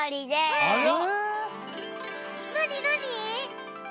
なになに？